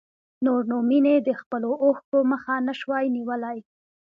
نور نو مينې د خپلو اوښکو مخه نه شوای نيولی.